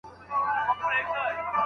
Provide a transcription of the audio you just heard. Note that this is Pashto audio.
مطالعه کوونکی انسان هیڅکله نه ماتېږي.